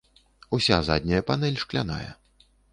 Уся задняя панэль шкляная.